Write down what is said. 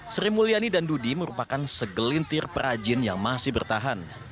sri mulyani dan dudi merupakan segelintir perajin yang masih bertahan